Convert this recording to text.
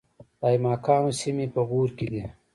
د ایماقانو سیمې په غور کې دي